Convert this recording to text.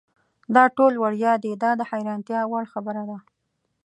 دا ټول وړیا دي دا د حیرانتیا وړ خبره ده.